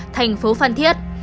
thành phố phan thiết